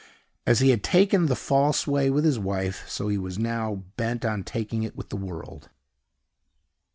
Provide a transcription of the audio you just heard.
As he had taken the false way with his wife, so he was now bent on taking it with the world.